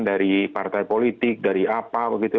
dari partai politik dari apa begitu